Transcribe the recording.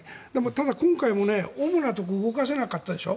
ただ、今回も主なところ動かせなかったでしょ。